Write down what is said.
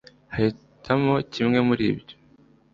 Hitamo kimwe muri ibyo